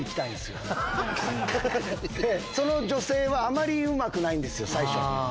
その女性はあまりうまくないんです最初。